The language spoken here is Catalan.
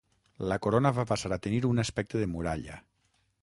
La corona va passar a tenir un aspecte de muralla.